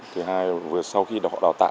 thứ hai là sau khi họ đào tạo